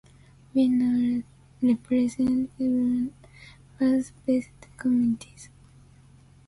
We now represent eleven faith-based communities.